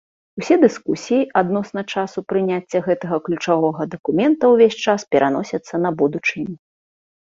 Усе дыскусіі адносна часу прыняцця гэтага ключавога дакумента ўвесь час пераносяцца на будучыню.